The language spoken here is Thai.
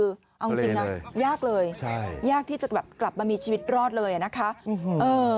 เอาจริงนะยากเลยยากที่จะกลับมามีชีวิตรอดเลยนะคะอื้อ